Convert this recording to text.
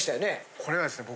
これがですね僕。